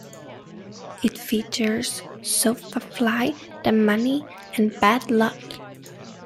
It features Soopafly, Damani and Bad Lucc.